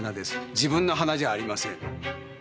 自分の鼻じゃありません。